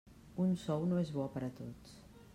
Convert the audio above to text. Un sou no és bo per a tots.